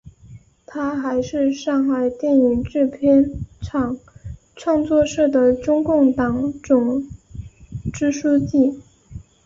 她还是上海电影制片厂创作室的中共党总支书记。